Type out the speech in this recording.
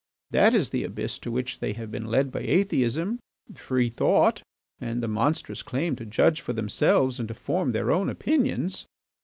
That is the abyss to which they have been led by atheism, free thought, and the monstrous claim to judge for themselves and to form their own opinions."